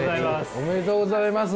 おめでとうございます。